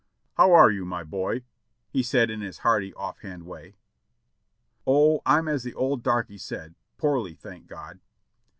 "How are you, my boy?" he said in his hearty, off hand way. ''O, I am as the old darky said, 'poorly, thank God.'